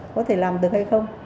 có thể làm được hay không